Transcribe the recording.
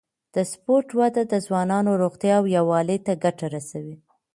د سپورت وده د ځوانانو روغتیا او یووالي ته ګټه رسوي.